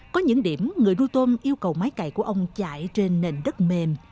có những điểm người nuôi tôm yêu cầu máy cày của ông chạy trên nền đất mềm